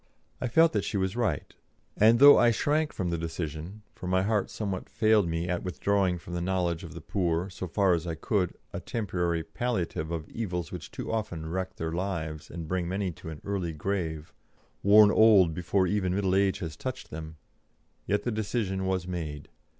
I felt that she was right, and though I shrank from the decision for my heart somewhat failed me at withdrawing from the knowledge of the poor, so far as I could, a temporary palliative of evils which too often wreck their lives and bring many to an early grave, worn old before even middle age has touched them yet the decision was made.